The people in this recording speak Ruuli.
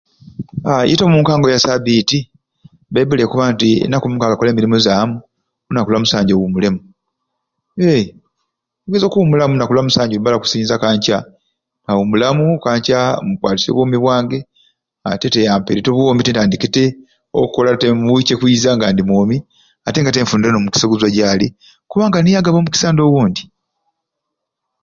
Aaa yete omunkango ya sabiti ebaibuli ekoba nti enaku omukaaga kola emirimu zamu olunaku olwa musanju owumuleemu eee nkwiza okumulamu olunaku olwa musanju luba lwa kusinza Kanca nawumulamu Okanca mukwatisye obwomi bwange ate tte amperyete obwomi ntandike tte okolate omu wici ekwiza nga ndi mwomi atenga tte nfunire omukisa okuzwa ejali kubanga niye agaba omukisa ndowo wondi.